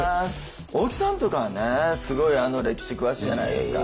大木さんとかはねすごい歴史詳しいじゃないですか。